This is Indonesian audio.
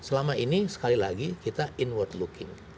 selama ini sekali lagi kita inward looking